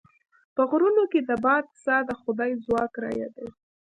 په غرونو کې د باد ساه د خدای ځواک رايادوي.